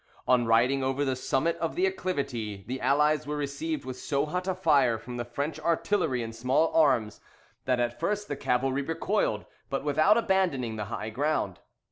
On riding over the summit of the acclivity, the Allies were received with so hot a fire from the French artillery and small arms, that at first the cavalry recoiled, but without abandoning the high ground.